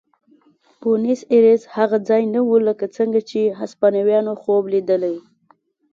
بونیس ایرس هغه ځای نه و لکه څنګه چې هسپانویانو خوب لیدلی.